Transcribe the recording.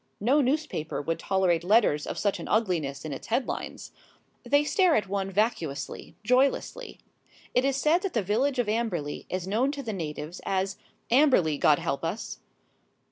No newspaper would tolerate letters of such an ugliness in its headlines. They stare at one vacuously, joylessly. It is said that the village of Amberley is known to the natives as "Amberley, God help us!"